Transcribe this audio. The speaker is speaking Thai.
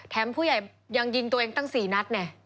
ผู้ใหญ่ยังยิงตัวเองตั้ง๔นัดเนี่ย